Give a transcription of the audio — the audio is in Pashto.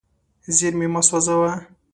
زیرمې مه سوځوه.